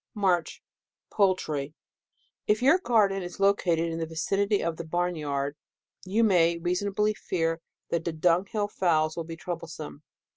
MARCH. Poui try. — If your garden is located in the vicinity of the barn yard, you may reasonably fear that the dung hill fowls will be trouble some.